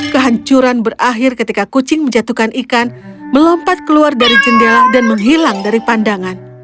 kehancuran berakhir ketika kucing menjatuhkan ikan melompat keluar dari jendela dan menghilang dari pandangan